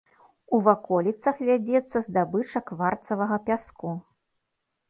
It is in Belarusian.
У ваколіцах вядзецца здабыча кварцавага пяску.